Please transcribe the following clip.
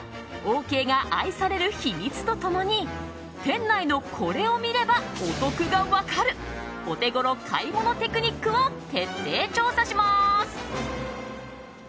オーケーが愛される秘密と共に店内のこれを見ればお得が分かるオテゴロ買い物テクニックを徹底調査します。